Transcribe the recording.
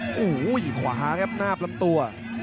โอ้โหขวาครับหน้าพร้ำตัว